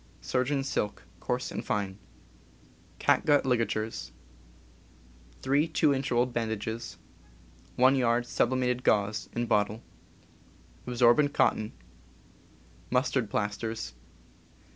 Surgeon's silk, coarse and fine. Catgut ligatures. 3 2 in. rolled bandages. 1 yd. sublimated gauze, in bottle. Absorbent cotton. Mustard plasters.